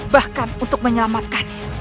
bahkan untuk menyelamatkan